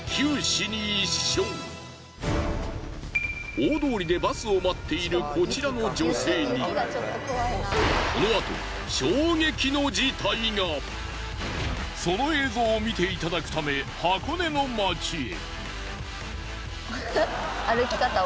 大通りでバスを待っているこちらの女性にこのあとその映像を見ていただくため箱根の街へ。